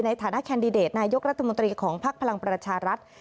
แคนดิเดตนายกรัฐมนตรีของภักดิ์พลังประชารัฐ